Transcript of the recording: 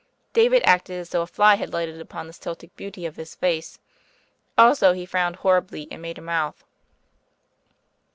David acted as though a fly had lighted upon the Celtic beauty of his face; also he frowned horribly and made a mouth.